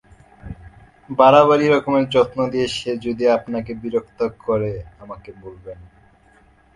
বাড়াবাড়ি রকমের যত্ন দিয়ে সে যদি আপনাকে বিরক্ত করে আমাকে বলবেন।